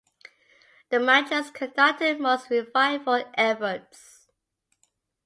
The Manchus conducted most revival efforts.